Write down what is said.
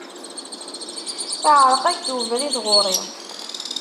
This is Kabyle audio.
Iεreq-ak-d ubrid ɣur-i.